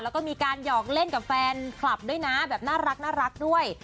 แล้วก็มีการหยอกเล่นกับแฟนคลับด้วยนะแบบน่ารักด้วย